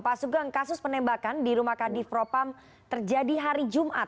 pak sugeng kasus penembakan di rumah kadif propam terjadi hari jumat